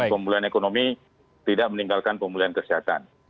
pemulihan ekonomi tidak meninggalkan pemulihan kesehatan